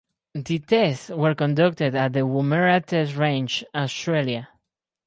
The tests were conducted at the Woomera Test Range, Australia.